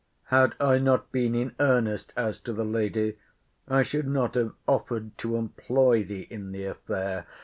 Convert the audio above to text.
Had I not been in earnest as to the lady, I should not have offered to employ thee in the affair.